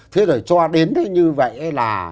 thế rồi cho đến đến như vậy là